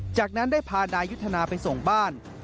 จากนั้นได้พานายุทธนาไปส่งบ้าน